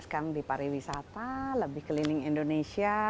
sekarang di pariwisata lebih keliling indonesia